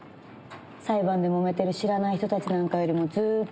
裁判でもめてる知らない人たちなんかよりもずーっと。